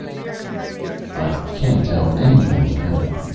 I can't tell anyone about it.